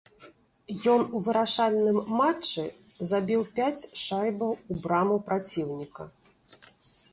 Ён у вырашальным матчы забіў пяць шайбаў у браму праціўніка.